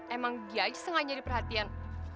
emang dia aja sengaja diperhatikan